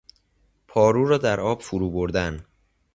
پارو را در آب فرو بردن